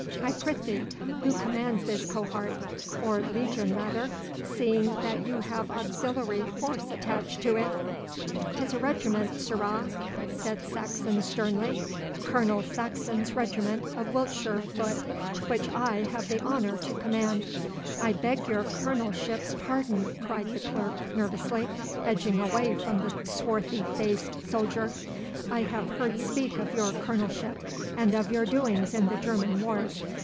I prythee, who commands this cohort, or legion rather, seeing that you have auxiliary horse attached to it?' ''Tis a regiment, sirrah,' said Saxon sternly. 'Colonel Saxon's regiment of Wiltshire foot, which I have the honour to command.' 'I beg your Colonelship's pardon, 'cried the clerk nervously, edging away from the swarthy faced soldier. 'I have heard speak of your Colonelship, and of your doings in the German wars.